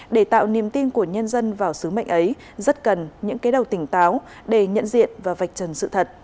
để tạo niềm tin của nhân dân vào sứ mệnh ấy rất cần những cái đầu tỉnh táo để nhận diện và vạch trần sự thật